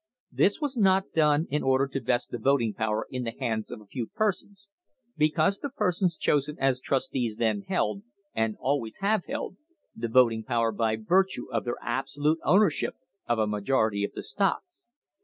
This was not done in order to vest the voting power in the hands of a few persons, because the persons chosen as trustees then held, and always have held, the voting power by virtue of their absolute ownership of a majority of the stocks.